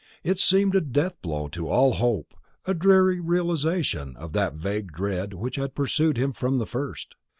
It seemed a deathblow to all hope, a dreary realization of that vague dread which had pursued him from the first.